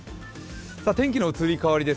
天気の移り変わりです。